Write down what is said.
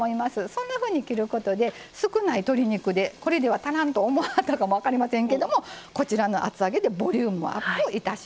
そんなふうに切ることで少ない鶏肉でこれでは足らんと思わはったかもわかりませんけどもこちらの厚揚げでボリュームアップをいたします。